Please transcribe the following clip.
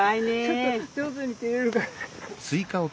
ちょっと上手に切れるかな。